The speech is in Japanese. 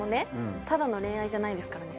ただの恋愛じゃないですからね